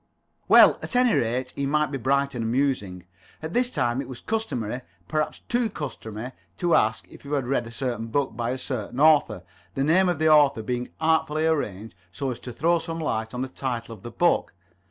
Well, at any rate, he might be bright and amusing. At this time it was customary—perhaps too customary—to ask if you had read a certain book by a certain author, the name of the author being artfully arranged so as to throw some light on the title of the book.